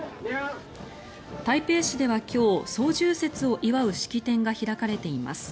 台北市では今日双十節を祝う式典が開かれています。